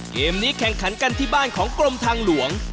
เกมนี้แข่งขันกันที่บ้านของกรมทางหลวง